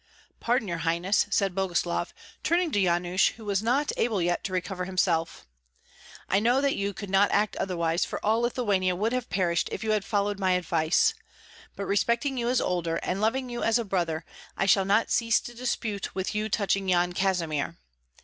"Pardon, your highness," said Boguslav, turning to Yanush, who was not able yet to recover himself, "I know that you could not act otherwise, for all Lithuania would have perished if you had followed my advice; but respecting you as older, and loving you as a brother, I shall not cease to dispute with you touching Yan Kazimir.